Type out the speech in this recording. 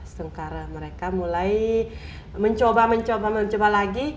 setengah mereka mulai mencoba mencoba mencoba lagi